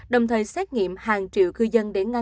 đồng thời xét nghiệm hàng triệu cư dân